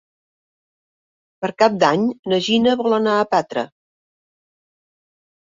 Per Cap d'Any na Gina vol anar a Petra.